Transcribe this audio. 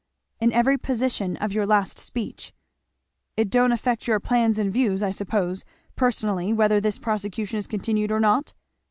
"In every position of your last speech." "It don't affect your plans and views, I suppose, personally, whether this prosecution is continued or not?"